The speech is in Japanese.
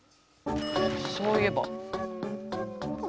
そういえば。